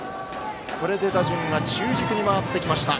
これで打順が中軸に回ってきました。